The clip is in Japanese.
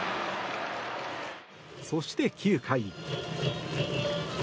そして９回。